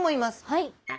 はい。